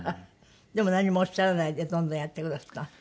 でも何もおっしゃらないでどんどんやってくだすった？